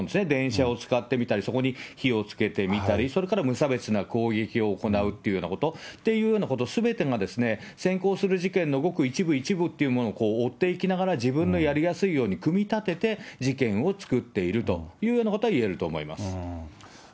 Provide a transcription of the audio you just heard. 電車を使ってみたり、そこに火をつけてみたり、それから無差別な攻撃を行うというようなこと、すべてが、先行する事件のごく一部一部っていうのを追っていきながら、自分のやりやすいように組み立てて、事件を作っているというようなことがいえると思います。